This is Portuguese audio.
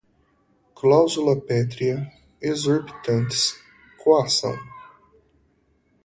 cláusula pétrea, exorbitantes, coação